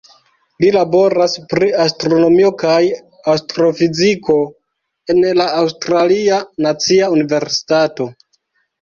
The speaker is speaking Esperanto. Li laboras pri astronomio kaj astrofiziko en la Aŭstralia Nacia Universitato.